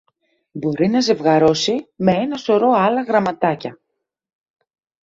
Μπορεί να ζευγαρώσει με ένα σωρό άλλα γραμματάκια